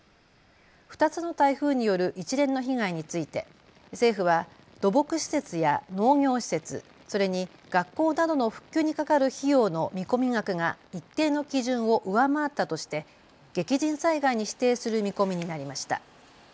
２つの台風による一連の被害について政府は土木施設や農業施設、それに学校などの復旧にかかる費用の見込み額が一定の基準を上回ったとして激甚災害に指定する見込みになりました。